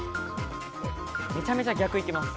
めちゃめちゃ逆行きます。